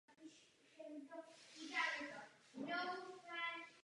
Ve svých skladbách často používal témata skladeb jiných skladatelů.